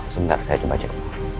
sebentar saya coba cek